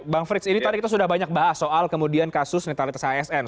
bang frits ini tadi kita sudah banyak bahas soal kemudian kasus netralitas asn